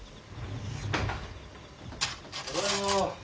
ただいま。